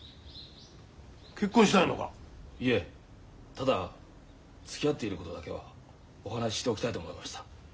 ただつきあっていることだけはお話ししておきたいと思いました。